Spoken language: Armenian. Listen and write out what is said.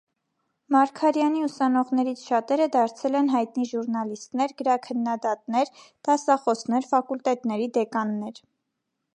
Մարգարյանի ուսանողներից շատերը դարձել են հայտնի ժուռնալիստներ, գրաքննադատներ, դասախոսներ, ֆակուլտետների դեկաններ։